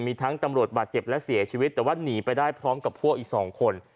มีทั้งตำรวจบาดเจ็บและเสียชีวิตแต่ว่าหนีไปได้พร้อมกับพวกอีก๒คน